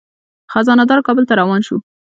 خزانه دار کابل ته روان شو.